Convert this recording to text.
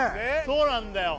そうなんだよ